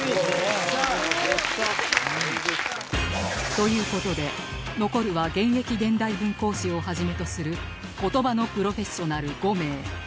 という事で残るは現役現代文講師をはじめとする言葉のプロフェッショナル５名